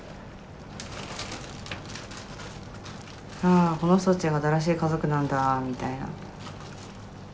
「ああこの人たちが新しい家族なんだ」みたいな。